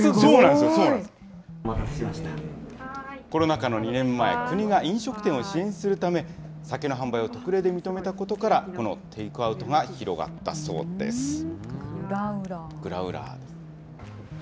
コロナ禍の２年前、国が飲食店を支援するため、酒の販売を特例で認めたことから、このテイクグラウラー。